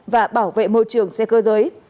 và bảo vệ môi trường xe cơ giới